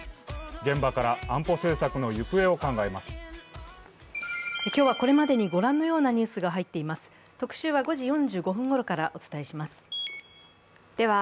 現場から安保政策の行方を考えます。